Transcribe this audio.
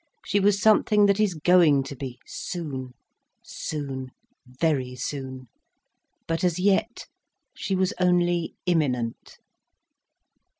She was something that is going to be—soon—soon—very soon. But as yet, she was only imminent.